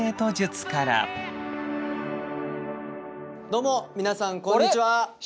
どうも皆さんこんにちは！